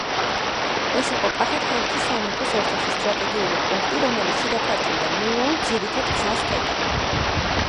ეს იყო კახეთ-ჰერეთის სამეფოს ერთ-ერთი სტრატეგიული პუნქტი, რომელიც შიდა ქართლიდან მიმავალ ძირითად გზას კეტავდა.